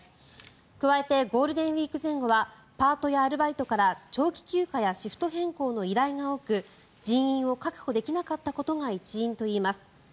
加えてゴールデンウィーク前後はパートやアルバイトから長期休暇やシフト変更の依頼が多く人員を確保できなかったことが一因といいます。